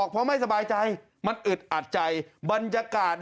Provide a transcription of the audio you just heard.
ไปเป็นสส